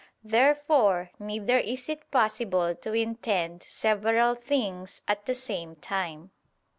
Therefore neither is it possible to intend several things at the same time.